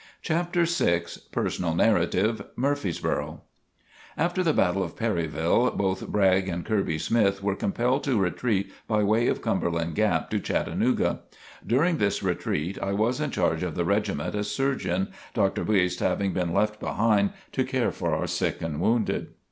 CHAPTER VI PERSONAL NARRATIVE MURFREESBORO After the battle of Perryville, both Bragg and Kirby Smith were compelled to retreat by way of Cumberland Gap to Chattanooga. During this retreat I was in charge of the regiment as surgeon, Dr. Buist having been left behind to care for our sick and wounded.